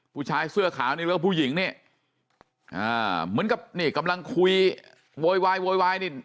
ผู้ชายเสื้อขาแล้วก็ผู้หญิงนี่เหมือนกับนี่กำลังคุยโวยวายนี่